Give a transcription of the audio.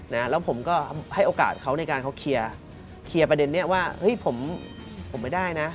แล้วผมก็ให้โอกาสเขาในการเขาเคลียร์เคลียร์ประเด็นนี้ว่าเฮ้ยผมผมไม่ได้นะ